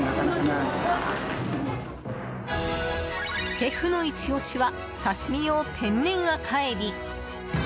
シェフのイチオシは刺身用天然赤海老。